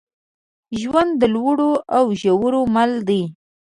ژوند د لوړو او ژورو مل دی.